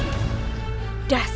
berusaha untuk mencegahnya raden